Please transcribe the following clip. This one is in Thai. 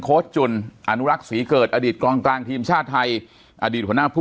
โค้ดจุ่นอนุรักษณ์ศรีเกิดอดีตกลางทีมชาติไทยอดีตผู้